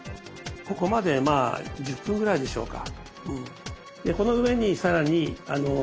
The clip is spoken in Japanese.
ここまでまあ１０分ぐらいでしょうか。